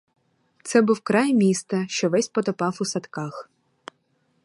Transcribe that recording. Це був край міста, що весь потопав у садках.